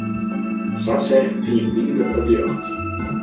Sa seach Team Wybe it ljocht.